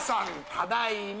ただいま」